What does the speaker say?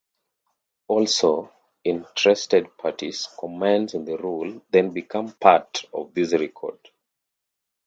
Also, interested parties' comments on the rule then become part of this record.